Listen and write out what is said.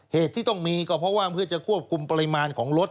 เหตุที่ต้องมีก็เพราะว่าเพื่อจะควบคุมปริมาณของรถ